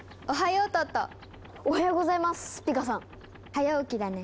早起きだね。